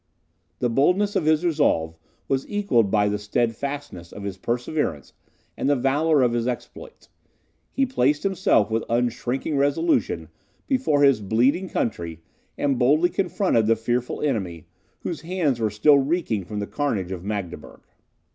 The boldness of his resolve was equalled by the steadfastness of his perseverance and the valour of his exploits. He placed himself with unshrinking resolution before his bleeding country, and boldly confronted the fearful enemy, whose hands were still reeking from the carnage of Magdeburg.